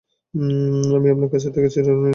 আমি আপনার কাছ থেকে ঋণ নিয়েছি।